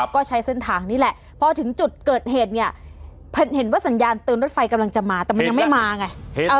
ก็ใช้เส้นทางนี้แหละพอถึงจุดเกิดเหตุเนี่ยเห็นว่าสัญญาณเตือนรถไฟกำลังจะมาแต่มันยังไม่มาไง